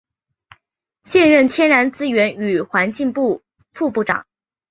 现任天然资源与环境部副部长。